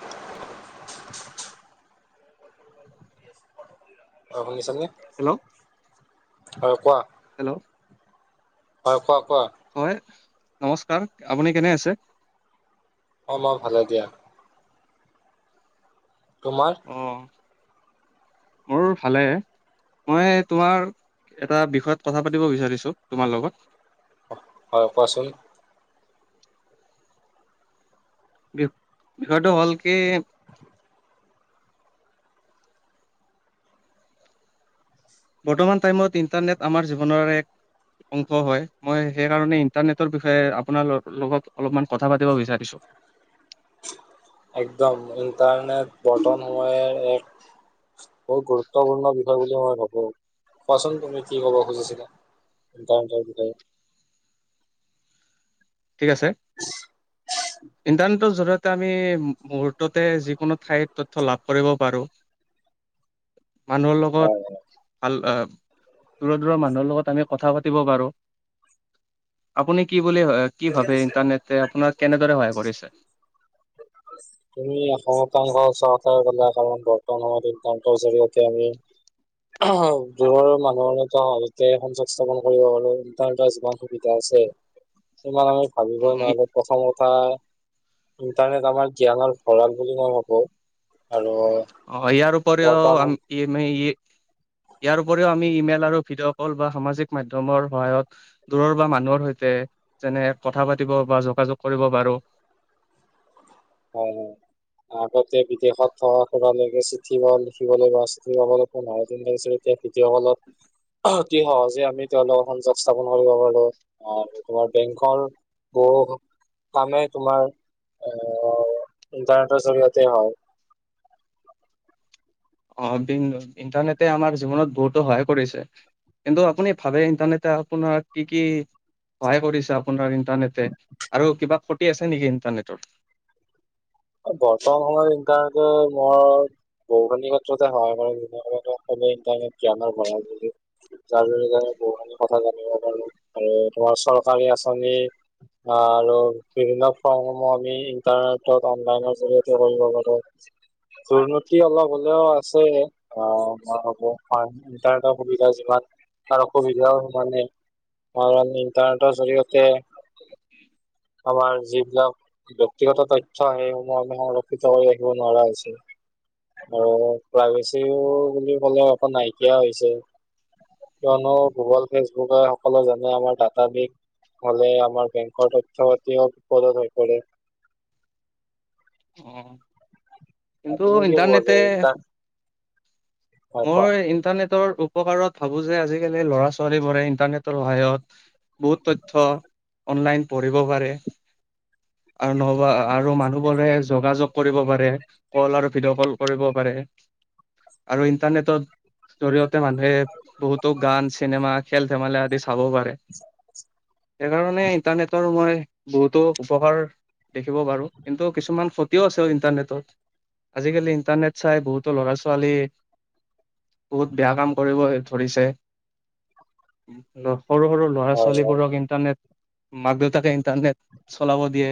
[unintelligible] শুনিছানে? হেল্ল' হয় কোৱা। হেল্ল'। হয় কোৱা কোৱা। হয় নমস্কাৰ আপুনি কেনে আছে? অঁ মই ভালে দিয়া। তোমাৰ? অ' [inaudible] মোৰ ভালে, মই তোমাৰ এটা বিষয়ত কথা পাতিব বিচাৰিছো তোমাৰ লগত হয় কোৱাচোন বি, বিষয়টো হ'ল কি? বৰ্তমান টাইমত ইন্টাৰনেট আমাৰ জীৱনৰ এক অংশ হয়, মই সেইকাৰণে ইন্টাৰনেটৰ বিষয়ে আপোনাৰ লগত অলপমান কথা পাতিব বিচাৰিছো? [unintelligible] একদম, ইণ্টাৰনেট বৰ্তমান সময়ৰ এক বহুত গুৰুত্বপূৰ্ণ বিষয় বুলি মই ভাবো। কোৱাচোন তুমি কি ক'ব খুজিছিলা? ইণ্টাৰনেটৰ বিষয়ে আছে। ইণ্টাৰনেটৰ জৰিয়তে আমি মুহুৰ্ততে যিকোনো ঠাইৰ তথ্য লাভ কৰিব পাৰোঁ। মানুহৰ লগত হয় ভাল, অ'হ। দূৰৰ, দূৰৰ মানুহৰ লগত আমি কথা পাতিব পাৰো। আপুনি কি বুলি হয়? কি ভাবে ইন্টাৰনেটে আপোনাৰ কেনেদৰে সহায় কৰিছে? তুমি অসমত কাম কৰা ওচৰত তাৰ বোলা, কাৰণ বৰ্তমান সময়ত ইন্টাৰনেটৰ জৰিয়তে আমি দূৰ মানুহৰ সাজতে সংযোগ স্থাপন কৰিব পাৰো। ইণ্টাৰনেটৰ যিমান সুবিধা আছে। ইমান আমি উম, ভাবিবই ই- নোৱাৰো। প্ৰথম কথা ইণ্টাৰনেট আমাৰ জ্ঞানৰ ভঁৰাল বুলি নাভাবো আৰু অ, ইয়াৰ উপৰিও বৰ্তমান সম আমি ইয়াৰ উপৰিও আমি ইমেইল আৰু ভিডিঅ' কল বা সামাজিক মাধ্যমৰ সহায়ত দূৰৰ বা মানুহৰ সৈতে যেনে কথা পাতিব বা যোগাযোগ কৰিব পাৰো। হয়, হয় আগতে বিদেশত থকা সুৰা চিঠি লিখিবলৈ বা চিঠি পাবলৈ নাই, তেতিয়া ভিডিঅ ক'লত অতি সহজে আমি তেওঁলোকৰ সংযোগ স্থাপন কৰিব পাৰো, অ তোমাৰ বেংকৰ গ কামে তোমাৰ। অ ইণ্টাৰনেটৰ জৰিয়তে হওঁক। অ বি ইণ্টাৰনেটে আমাৰ জীৱনত বহুতো সহায় কৰিছে। কিন্তু আপুনি ভাবে ইণ্টাৰনেটে আপোনাক কি কি সহায় কৰিছে আপোনাৰ ইন্টাৰনেটে, আৰু কিবা খতি আছে নেকি ইন্টাৰনেটৰ? বৰ্তমান সময়ত ইণ্টাৰনেটৰ মই ভৌগলিক ক্ষেত্ৰতে সহায় কৰে যাৰ জৰিয়তে বহুখিনি কথা জানিব পাৰো, আৰু তোমাৰ চৰকাৰী আচনি আৰু বিভিন্ন ফৰ্মসমূহ, আমি ইন্টাৰনেটত অনলাইনৰ জৰিয়তে কৰিব পাৰোঁ। দুৰ্নীতি অলপ হলেও আছে, অ হব ইণ্টাৰনেটৰ সুবিধা যিমান। তাৰ অসুবিধাও সমানে, মানে ইণ্টাৰনেটৰ জৰিয়তে আমাৰ যিবিলাক ব্যক্তিগত তথ সেই সময় আমি সংৰক্ষিত কৰি ৰাখিব নোৱাৰা হৈছোঁ। আৰু প্ৰাইভেচিও বুলি কলে অকণ নাইকিয়া হৈছে। কিয়নো গুগল ফেচবুকে সকলো জানে, আমাৰ ডাটা বিক হলে আমাৰ বেংকৰ তথ্য পাতিও বিপদত হৈ পৰে অ' কিন্তু তুমি কি ক'ব ইণ্টাৰনেটে যোৱা ইণ্টাৰ হয় কোৱা মই ইণ্টাৰনেটৰ উপকাৰত ভাবো যে আজিকালি ল'ৰা ছোৱালীবোৰে ইন্টাৰনেটৰ সহায়ত বহুত তথ্য অনলাইন পঢ়িব পাৰে আৰু নবা আৰু মানুহ বোৰে যোগাযোগ কৰিব পাৰে কল আৰু ভিডিঅ' কল কৰিব পাৰে আৰু ইণ্টাৰনেটত জৰিয়তে মানুহে বহুতো গান চিনেমা খেল ধেমালা আদি চাব পাৰে সেইকাৰণে ইণ্টাৰনেটৰ মই বহুতো উপহাৰ দেখিব পাৰো কিন্তু কিছুমান ফটোও আছে ইণ্টাৰনেটত আজিকালি ইণ্টাৰনেট চাই বহুতো ল'ৰা ছোৱালী বহুত বেয়া কাম কৰিব ধৰিছে সৰু সৰু ল'ৰা হয় হয় ছোৱালীবোৰক ইণ্টাৰনেট মাক দেউতাকে ইণ্টাৰনেট চলাব দিয়ে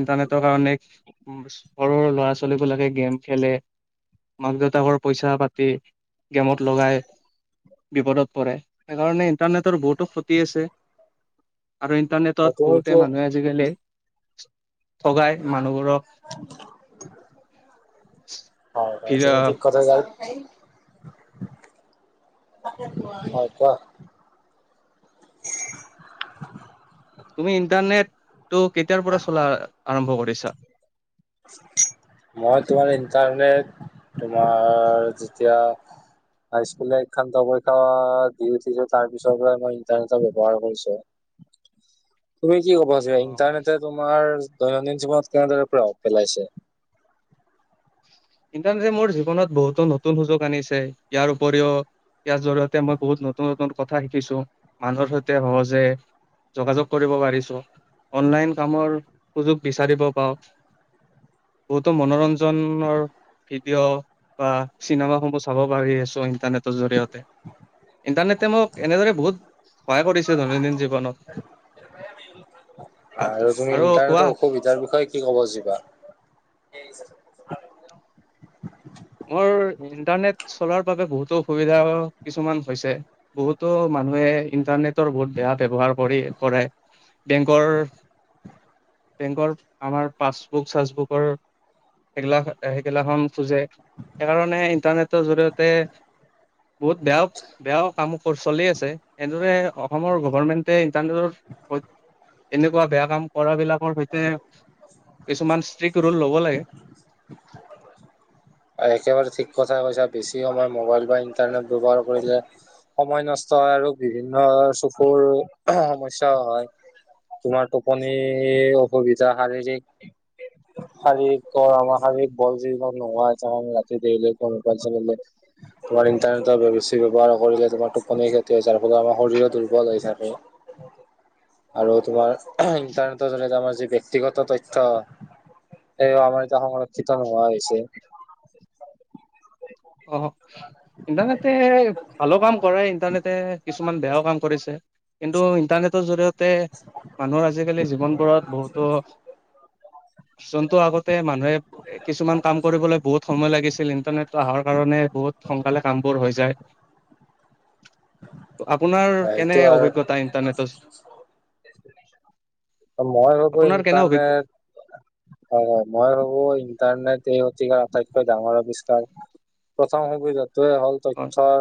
ইণ্টাৰনেটৰ কাৰণে সৰুৰ ল'ৰা ছোৱালী বিলাকে গেম খেলে মাক দেউতাকৰ পইচা পাতি গেমত লগাই বিপদত পৰে সেইকাৰণে ইন্টাৰনেটৰ বহুতো ক্ষতি আছে আৰু আৰু ইণ্টাৰনেটত তুমি বহুতে এতিয়া মানুহে আজিকালি ঠগায় মানুহবোৰক হয় হয় ভিৰ তুমি ঠিক কথা যও হয়ছা তুমি ইণ্টাৰনেট ত' কেতিয়াৰ পৰা চলা আৰম্ভ কৰিছা তাৰণে তোমাৰ যেতিয়া হাই স্কুল শ্ষান্ত পৰীক্ষা দি উঠিছো তাৰ পিছৰ মই ইন্টাৰনেটৰ ব্যৱহাৰ কৰিছো উ তুমি কি ক'ব যো ইণ্টাৰনেট তোমাৰ দৈনন্দিন জীৱনত কেনেদৰে প্ৰভাৱ পেলাইছে ইণ্টাৰনেটে মোৰ জীৱনত বহুতো নতুন সুযোগ আনিছে ইয়াৰ উপৰিও ইয়াৰ জৰিয়তে মই বহুত নতুন নতুন কথা শিকিছো মানুহৰ সৈতে সহজে যোগাযোগ কৰিব পাৰিছো অনলাইন কামৰ সুযোগ বিচাৰিব পাওঁ বহুতো মনোৰঞ্জনৰ ভিডিঅ' বা চিনেমা সমূহ চাব পাৰি আছো ইণ্টাৰনেটৰ জৰিয়তে ইণ্টাৰনেটে মোক এনেদৰে বহুত সহায় কৰিছে দৈনন্দিন জীৱনত [unintelligible] আৰু তুমি ইন্টাৰনেটৰ অসুবিধাৰ বিষয়ে কি কব যিবা [unintelligible] মোৰ ইন্টাৰনেট চলোৱাৰ বাবে বহুতো অসুবিধা কিছুমান হৈছে বহুতো মানুহে ইটাৰনেটৰ বহুত বেয়া ব্য্ৱহাৰ কৰি কৰে বেংকৰ বেংকৰ আমাৰ পাছবুক চাচবুকৰ সেইগিলা সেইগিলাখন খোজে সেইকাৰণে ইন্টাৰনেটৰ জৰিয়তে বহুত বেয়াও বেয়াও কামো চলি আছে এনেদৰে অসমৰ গভৰ্মেণ্টে ইণ্টাৰনেটৰ এনেকুৱা বেয়া কাম কৰা বিলাকৰ সৈতে কিছুমান ষ্ট্ৰিকট ৰুল ল'ব লাগে একেবাৰে ঠিক কথা কৈছ বেছি সময় মোবাইল বা ইণ্টাৰনেট ব্যৱহাৰ কৰিলে সময় নষ্ট হয় আৰু বিভিন্ন চকুৰ সমস্াও হয় তোমাৰ টোপনি অসুবিধা শাৰীৰিক শাৰীৰিক আমাৰ শাৰীৰিক বল জীত নোহোৱা ৰাতি তমাৰ ইণ্টাৰনেটৰ বেছি ব্যৱহাৰ কৰিলে তোমাৰ টোপ যাৰ ফলত আমাৰ শৰীৰৰ দুৰ্বল হৈ হৈছে [unintelligible] আৰু তোমাৰ ইণ্টাৰনেটৰ জ আমাৰ য ব্যক্তিগত তথ্য এ আমাৰ এতিয়া সংৰক্ষিত নোহোৱা হৈছে। [inaudible] অ ইণ্টাৰনেটে ভালো কাম কৰে ইণ্টাৰনেটে কিছুমান বেয়াও কাম কৰিছে। কিন্তু ইণ্টাৰনেটৰ জৰিয়তে মানুহৰ আজিকালি জীৱনবোৰত বহুতো। যোনটো আগতে মানুহে কিছুমান কাম কৰিবলৈ বহুত সময় লাগিছিল ইন্টাৰনেট অহাৰ কাৰণে বহুত সোনকালে কাম বোৰ হৈ যায়। আপোনাৰ কেনে সেইটো আৰু অভিজ্ঞতা ইন্টাৰনেটৰ। মই ই তানে অভিজ্ঞ হয়-হয় মই বাবু ইণ্টাৰনেট এই অতিকাৰ আটাইতকৈ ডাঙৰ আৱিষ্কাৰ প্ৰথম সুবিধত। টোয়ে হ'ল হয় তথ্যৰ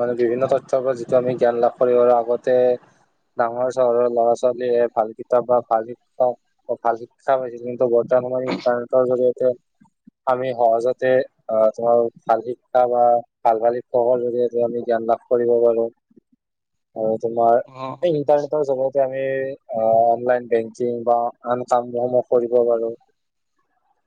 মানে বিভিন্ন তথ তৰত যিটো আমি জ্ঞান লাভ কৰিব আৰু আগতে। ডাঙৰ চহৰৰ ল'ৰা ছোৱালীয়ে ভাল কিতাপ বা ভাল শিক্ষা ভাল শিক্ষা পাইছিলে কিন্ত বৰতোন আমাৰ ইটাৰনেটৰ জৰীয়েতে। আমি সহজতে আহ তোমাৰ ভাল শিক্ষা বা ভাল-ভাল শিক্ষকৰ জৰিয় আমি জ্ঞান লাভ কৰিব পাৰো আৰু তোমাৰ অ ইটাৰনেটৰ জৰিয়তে আমি অনলাইন বেংকিং বা আন কামসমহ কৰিব পাৰো।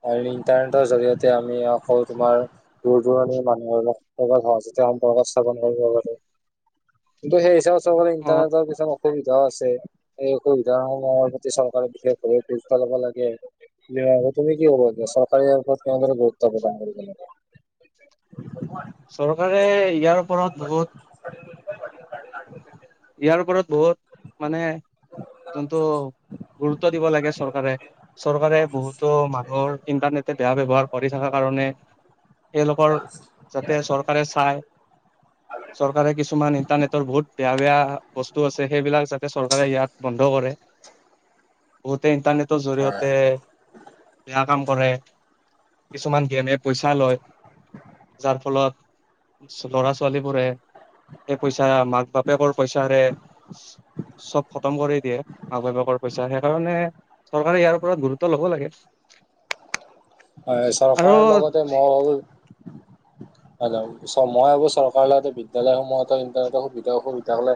আৰু ইন্টাৰনেটৰ জৰিয়তে আমি আকৌ তোমাৰ দূৰ দৰণি মানুহৰ লগ। যেতি সম্পৰ স্থাপ কৰিব পাৰো। [unintelligible] কিন্তু সেই হিচাপে চৰকাৰে অ ইণ্টাৰনেটৰ কিছুমান অসুবিধাও আছে স অসুবিধা নৰ প্ৰতি চৰকাৰে। পা ল'ব লাগে। তুমি কি কব যে চৰকাৰে ইয়াৰ পৰত কেনে ধৰে গুৰুত্ব প্ৰদান কৰিব। চৰকাৰে ইয়াৰ ওপৰত বহুত ইয়াৰ ওপৰত বহুত মানে যোনটো গুৰুত্ব দিব লাগে চৰকাৰে। চৰকাৰে বহুতো মানুহৰ ইন্টাৰনেটে বেয়া ব্যয়ৱহাৰ কৰি থকাৰ কাৰণে। তেওঁলোকৰ যাতে চৰকাৰে চায়। চৰকাৰে কিছুমান ইণ্টাৰনেটৰ বহুত বেয়া। বেয়া বস্তু আছে সেইবিলাক যাতে চৰকাৰে ইয়াত বন্ধ কৰে বহুতে ইণ্টাৰনেট, হয়। জৰিয়তে বেয়া। কাম কৰে কিছুমান গীয়ানিয়ে পইচা লয়। যাৰ ফলত ল'ৰা ছোৱালী বোৰে সেই পইচা মাক বাপ বাপেকৰ পইচাৰে চব খতম কৰি দিয়ে মাক বাপেকৰ পইচা সেইকাৰণে। চৰকাৰে ইয়াৰ ওপৰত গুৰুত্ব লব লাগে। হয় আৰু চৰকাৰৰ লগতে মই ভাবো। মই আাবোৰ চৰকাৰৰ লগতে বিদ্যালয়সমূহতো ইন্টাৰনেটৰ সুবিধা অসুবিধা কলে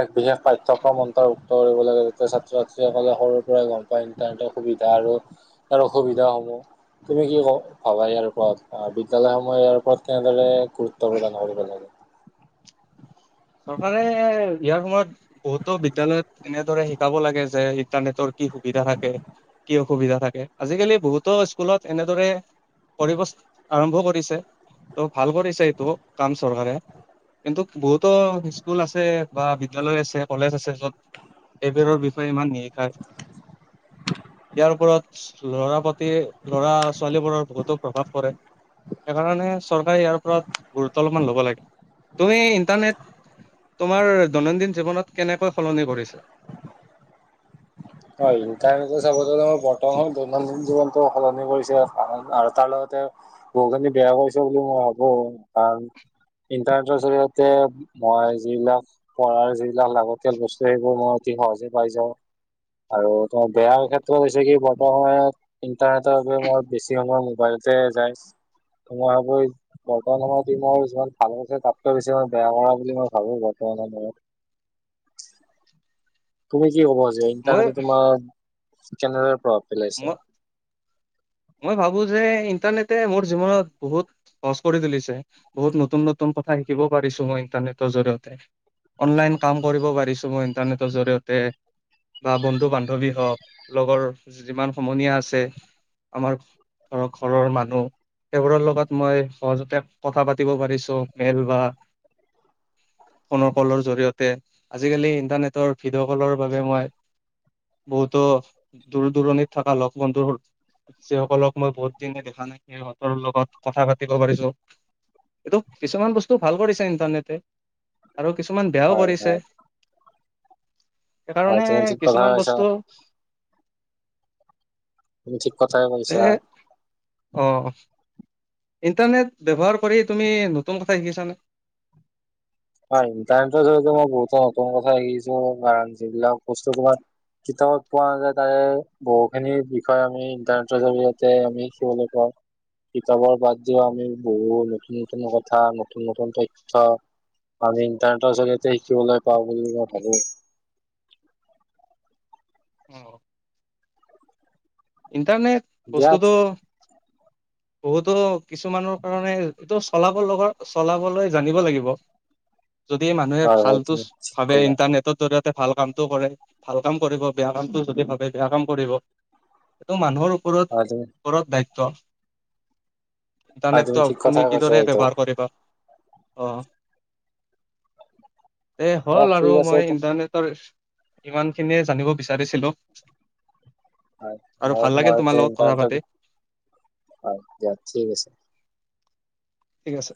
একে বিশেষ পাঠ্যক্ৰম অন্তৰ্ভুক্ত কৰিব লাগে যাতে ছাত্ৰ ছাত্ৰীসকলে সৰুৰ পৰাই গম পায় ইণ্টাৰনেটৰ সুবিধা আৰু। ইয়াৰ অসুবিধাস সমূহ তুমি কি ক ভাবা ইয়াৰ ওপৰত বিদ্যালয়সমূহ ইয়াৰ ওপৰত তেনেদৰে গুৰুত্ব প্ৰদান কৰিব লাগে। চৰকাৰে ইয়াৰ সময়ত বহুতো বিদ্যায়লয়ত। এনেদৰে শিকাব লাগে যে ইণ্টাৰনেটৰ কি সুবিধা থাকে কি অসুবিধা থাকে আজিকালি বহুতো। স্কুলত এনেদৰে কৰিব আৰম্ভ কৰিছে ত' ভাল কৰিছে এইটো কাম চৰকাৰে। কিন্তু বহুতো স্কুল আছে বা বিদ্যালয় আছে কলেজ আছে য'ত। এবোৰৰ বিষয়ে ইমান নিশিকাই। ইয়াৰ ওপৰত লৰা প্ৰতি লৰা ছোৱালীবোৰৰ বহুতো প্ৰভাৱ পৰে। সেইণে চৰকাৰে ইয়াৰ ওৰত গুৰুত্ব অলপমান ল'ব লাগে তুমি ইন্টাৰনেট তোমাৰ দৈনন্দিন জীৱনত কেনেকৈ সলনি কৰিছে। হয় ইণ্টাৰনেট চাব বৰ্তমান দৈনন্দিন জীৱনতো সলনি কৰিছে তালত এয়া বহুখিনি বেয়া কৰিাইছে বুলি মই ভাবো কাৰণ ইণ্টাৰনেটৰ জৰিয়তে মই যিবিলাক পঢ়াৰ যিবিলাক লাগতিয়াল বস্তু সেইবোৰ মই হ যে পাই যা আৰু ত বেয়া অ ক্ষেত্ৰত হৈছে কি বৰ্ত সময়ত ইন্টাৰনেটৰ বাবে মই বেছি সময় বলতে যাই ত মই ভাবো এই বৰ্তমান সময়ত ইমোৰ যছমান ভাল পৈছে তাতকৈ বেছিমান বেয়া কৰা বুলি মই ভাবো বৰ্তমান ব ব [inaudible] তুমি কি কব যে মই ইণ্টাৰনেট তোমাৰ, চেনেল পৰা মই, মই ভাবো যে ইণ্টাৰনেটে মোৰ জীৱনত বহুত সহজ কৰি তুলিছে, বহুত নতুন নতুন কথা শিকিব পাৰিছো মই ইটাৰ নেটৰ জৰিয়তে, অনলাইন কাম কৰিব পাৰিছো মই ইন্টাৰনেটৰ জৰিয়তে। বা বন্ধু-বান্ধৱী হওঁক লগৰ যিমান সমনীয়া আছে। আমাৰ ধৰক ঘৰৰ মানুহ। সেইবোৰৰ লগত মই সহজতে কথা পাতিব পাৰিছো মেল বা ফোনৰ কলৰ জৰিয়তে আজিকালি ইণ্টাৰনেটৰ ভিডিঅ' কলৰ বাবে মই বহুতো দূৰ দূৰণিত থকা লগ বন্ধুৰ যিসকলক মই বহুত দিনে দেখা নাই সিহঁতৰ লগত কথা পাতিব পাৰিছো। এইটো কিছুমান বস্তু ভাল কৰিছে ইণ্টাৰনেটে। আৰু কিছুমান বেয়াও হয় হয় কৰিছে। হয় সেইকাৰণে তুমি ঠিক কথা কিছুমান কৈছা বস্তু। [unintelligible] এ, অ। ইণ্টাৰনেট ব্যৱহাৰ কৰি তুমি নতুন কথা শিকিছানে। হয় ইণ্টাৰনেটৰ জৰিয়তে মই [unintelligible] কিতাপত পোৱা যায় তাৰে বহুখিনি বিষয় আমি ইন্টাৰনেটৰ জৰিয়তে আমি শিকিবলৈ পাওঁ। কিতাপৰ বাদ দিও আমি বহুত নতুন নতুন কথা নতুন নতুন তথ্য। আমি ইণ্টাৰনেটৰ জৰিয়তে শিকিবলৈ পাওঁ বুলি মই ভাবোঁ। অ। ইণ্টাৰনেট দিয়া বস্তুটো, বহুতো কিছুমানৰ কাৰণে এইটো চলাব লগ চলাবলৈ জানিব লাগিব। যদি মানুহে হয় হয় ভালতো তুমি ঠিক ভাবে কলা ইণ্টাৰনেটৰ জৰিয়ত তে ভাল কামটো কৰে, ভাল কাম কৰিব বেয়া কামটো যদি ভাবে বেয়া কাম কৰিব, সেইটো মানুহৰ উপৰত হয় তুমি উপৰত দায়িত্ব। জানে হয় ত ঠিক তুমি কথাই কৈছা কিদৰে এইটো ব্যৱহাৰ কৰিবা। অ, এ দিয়া হ'ল আৰু ঠিক আছে মই তো- ইন্টাৰনেটৰ। ইমানখিনিয়ে জানিব বিচাৰিছিলোঁ। [unintelligible] ঠিক আছে। ঠিক আছে।